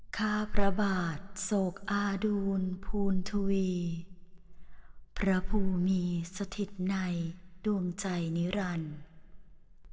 ข้าพระบาทโศกอาดูลภูณทวีพระภูมิมีสถิตในดวงใจนิรันดิ์